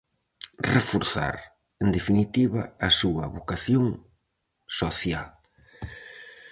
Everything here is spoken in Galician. Reforzar, en definitiva, a súa vocación social.